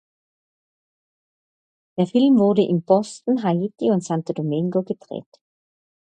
Der Film wurde in Boston, Haiti und Santo Domingo gedreht.